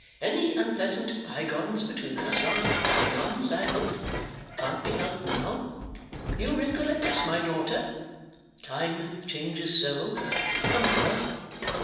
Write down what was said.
Any unpleasant bygones between us are bygones, I hope. Can't be helped now. You recollect my daughter? Time changes so! A mother!